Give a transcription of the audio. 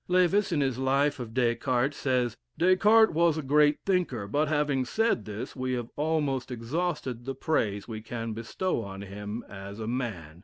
Lewes, in his "Life of Des Cartes," says, "Des Cartes was a great thinker; but having said this we have almost exhausted the praise we can bestow on him as a man.